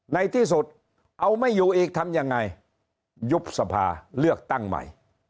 ในที่สุดเอาไม่อยู่อีกทำยังไงยุบสภาเลือกตั้งใหม่